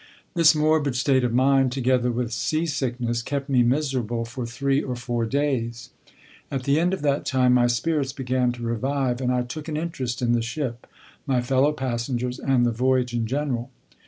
This morbid state of mind, together with sea sickness, kept me miserable for three or four days. At the end of that time my spirits began to revive, and I took an interest in the ship, my fellow passengers, and the voyage in general.